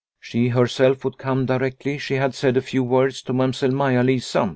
She herself would come directly she had said a few words to Mamsell Maia Lisa.